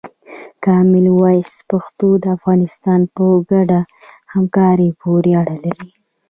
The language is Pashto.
کامن وایس پښتو د افغانانو په ګډه همکاري پورې اړه لري.